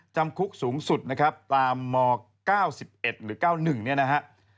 จำคุกสูงสุดตามม๙๑หรือ๙๑นี้นะฮะ